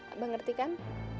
abah ngerti kan